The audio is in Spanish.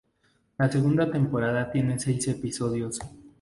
La segunda temporada tiene seis episodios.